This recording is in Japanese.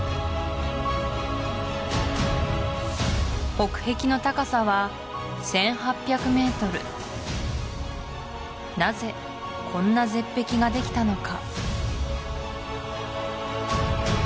北壁の高さは１８００ｍなぜこんな絶壁ができたのか？